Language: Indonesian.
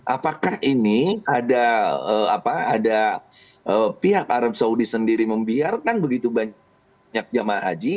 apakah ini ada pihak arab saudi sendiri membiarkan begitu banyak jamaah haji